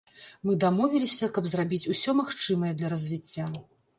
Мы дамовіліся, каб зрабіць усё магчымае для развіцця.